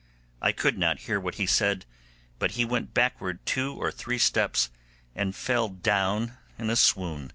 I could not hear what he said, but he went backward two or three steps and fell down in a swoon.